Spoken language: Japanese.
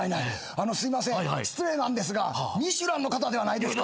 あのすいません失礼なんですが『ミシュラン』の方ではないですか？